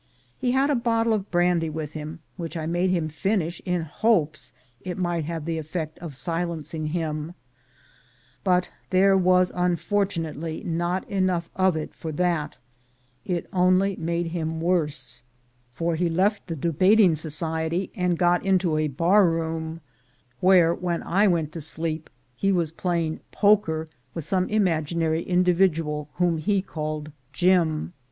He had a bottle of brandy with him, which I made him finish in hopes it might have the effect of silencing him ; but there was unfortunately not enough of it for that — it only made him worse, for he left the debating 152 THE GOLD HUNTERS society and got into a bar room, where, when I went to sleep, he was playing "poker" with some imaginary individual whom he called Jim.